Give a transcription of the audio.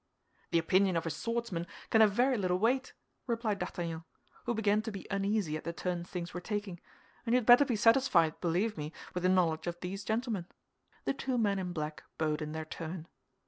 "The opinion of a swordsman can have very little weight," replied D'Artagnan, who began to be uneasy at the turn things were taking, "and you had better be satisfied, believe me, with the knowledge of these gentlemen." The two men in black bowed in their turn.